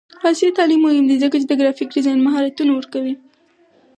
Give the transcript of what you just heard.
عصري تعلیم مهم دی ځکه چې د ګرافیک ډیزاین مهارتونه ورکوي.